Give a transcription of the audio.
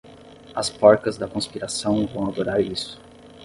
As porcas da conspiração vão adorar isso.